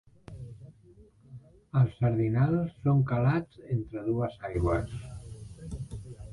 Els sardinals són calats entre dues aigües.